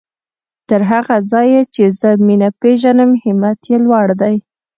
تر هغه ځايه چې زه مينه پېژنم همت يې لوړ دی.